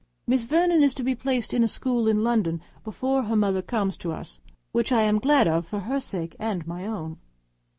Miss Vernon is to be placed at a school in London before her mother comes to us which I am glad of, for her sake and my own.